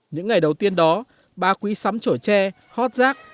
những ngày đầu tiên đó bà quý sắm trổi tre hót rác